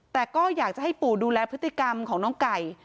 แต่ก็อยากจะให้ปู่ดูแลพฤติกรรมของน้องไก่